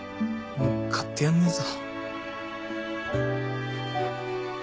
もう買ってやんねえぞ。